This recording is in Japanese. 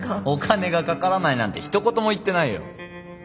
お金がかからないなんてひと言も言ってないよ？